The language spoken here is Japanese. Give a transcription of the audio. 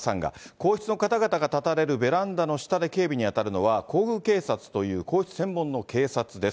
皇室の方々が立たれるベランダの下で警備に当たるのは、皇宮警察という皇室専門の警察です。